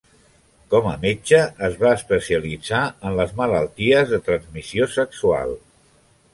Com a metge es va especialitzar en les malalties de transmissió sexual.